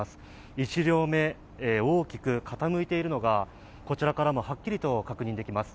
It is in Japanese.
１両目、大きく傾いているのがこちらからもはっきり確認できます。